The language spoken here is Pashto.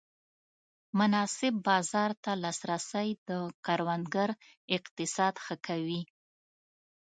مناسب بازار ته لاسرسی د کروندګر اقتصاد ښه کوي.